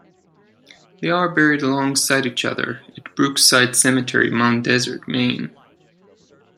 They are buried alongside each other at Brookside Cemetery, Mount Desert, Maine.